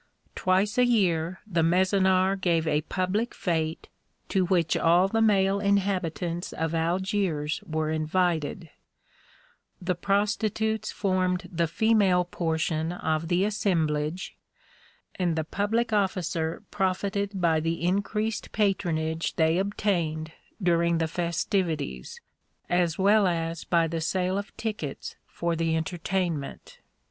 Twice a year the Mezonar gave a public fête, to which all the male inhabitants of Algiers were invited; the prostitutes formed the female portion of the assemblage, and the public officer profited by the increased patronage they obtained during the festivities, as well as by the sale of tickets for the entertainment.